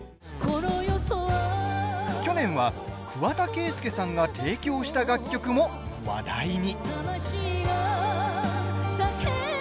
去年は、桑田佳祐さんが提供した楽曲も話題に。